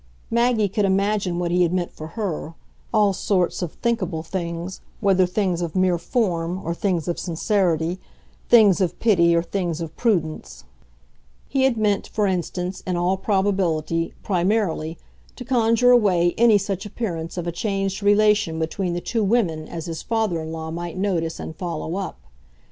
Maggie could imagine what he had meant for her all sorts of thinkable things, whether things of mere "form" or things of sincerity, things of pity or things of prudence: he had meant, for instance, in all probability, primarily, to conjure away any such appearance of a changed relation between the two women as his father in law might notice and follow up.